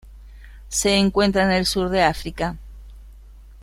Se encuentra en el sur de África.